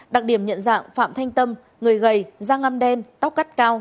đặc điểm nhận dạng phạm thanh tâm người gầy da ngâm đen tóc cắt cao